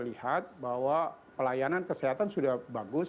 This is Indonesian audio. saya melihat bahwa pelayanan kesehatan sudah bagus